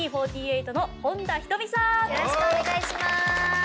まずはよろしくお願いします。